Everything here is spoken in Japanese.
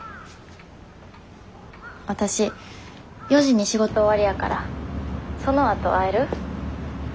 わたし４時に仕事終わりやからそのあと会える？